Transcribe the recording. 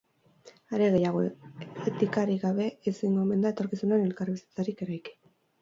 Are gehiago, etikarik gabe ezingo omen da etorkizunean elkarbizitzarik eraiki.